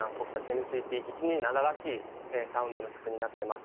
ＮＣＴ１２７らしいサウンドの曲になってます。